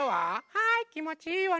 はいきもちいいわね！